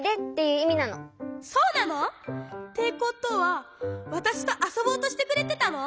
そうなの！？ってことはわたしとあそぼうとしてくれてたの？